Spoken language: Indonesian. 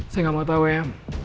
saya nggak mau tahu ya